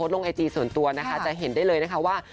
ลงไอจีส่วนตัวนะคะจะเห็นได้เลยนะคะว่า